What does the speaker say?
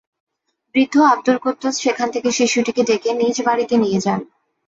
বৃদ্ধ আবদুল কুদ্দুস সেখান থেকে শিশুটিকে ডেকে নিজ বাড়িতে নিয়ে যান।